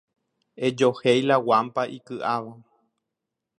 Ejohéi la guampa iky'áva.